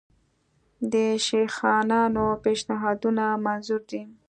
د شیخانانو پېشنهادونه منظور دي.